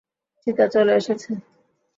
চিতা চলে এসেছে।